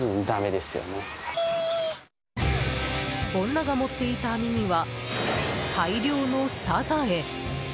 女が持っていた網には大量のサザエ。